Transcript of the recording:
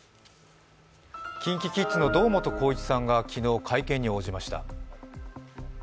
ＫｉｎＫｉＫｉｄｓの堂本光一さんが昨日、会見に応じました。